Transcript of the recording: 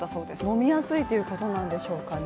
飲みやすいということなんでしょうかね。